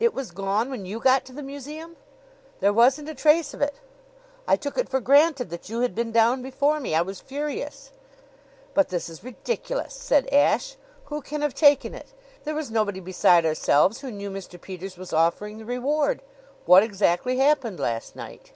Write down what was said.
"It was gone when you got to the museum?" "There wasn't a trace of it. I took it for granted that you had been down before me. I was furious!" "But this is ridiculous!" said Ashe. "Who can have taken it? There was nobody beside ourselves who knew Mr. Peters was offering the reward. What exactly happened last night?"